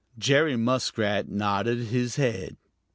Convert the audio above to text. Jerry Muskrat nodded his head.